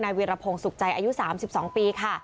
วีรพงศ์สุขใจอายุ๓๒ปีค่ะ